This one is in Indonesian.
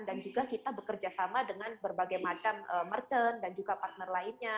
dan juga kita bekerjasama dengan berbagai macam merchant dan juga partner lainnya